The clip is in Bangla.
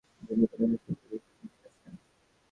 যিনি প্রথমবার শিরোপাটা জিততে মুখিয়ে আছেন।